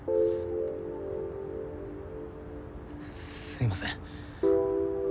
すいません。